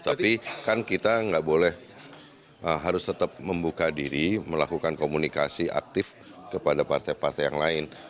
tapi kan kita nggak boleh harus tetap membuka diri melakukan komunikasi aktif kepada partai partai yang lain